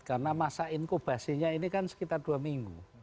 karena masa inkubasinya ini kan sekitar dua minggu